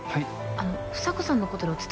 あの房子さんのことでお伝えしたいことが。